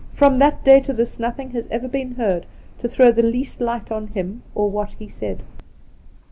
From that day to this nothing has ever been heard to throw the least light on him or what he said.'